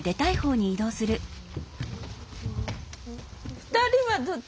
二人はどっち？